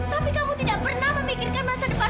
tapi kamu tidak pernah memikirkan masa depan